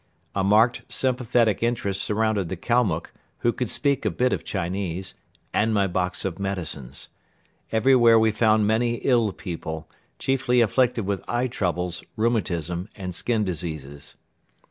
A marked sympathetic interest surrounded the Kalmuck, who could speak a bit of Chinese, and my box of medicines. Everywhere we found many ill people, chiefly afflicted with eye troubles, rheumatism and skin diseases.